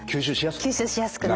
吸収しやすく。